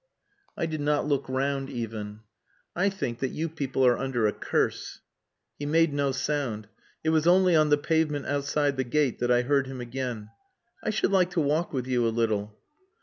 I did not look round even. "I think that you people are under a curse." He made no sound. It was only on the pavement outside the gate that I heard him again. "I should like to walk with you a little."